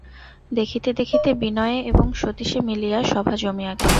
দেখিতে দেখিতে বিনয়ে এবং সতীশে মিলিয়া সভা জমিয়া গেল।